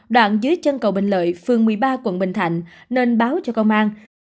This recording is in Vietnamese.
đoạn dưới chân cầu bình lợi phường một mươi ba quận bình thạnh nên báo cho công an